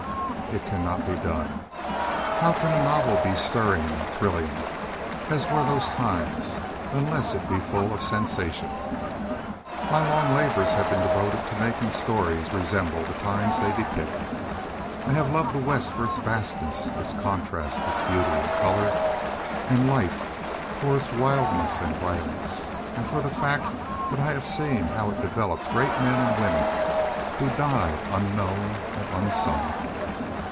It cannot be done. How can a novel be stirring and thrilling, as were those times, unless it be full of sensation? My long labors have been devoted to making stories resemble the times they depict. I have loved the West for its vastness, its contrast, its beauty and color and life, for its wildness and violence, and for the fact that I have seen how it developed great men and women who died unknown and unsung.